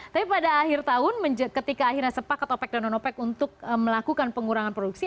tapi pada akhir tahun ketika akhirnya sepakat opec dan non opec untuk melakukan pengurangan produksi